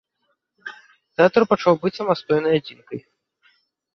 Тэатр пачаў быць самастойнай адзінкай.